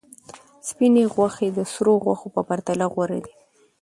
سپینې غوښې د سرو غوښو په پرتله غوره دي.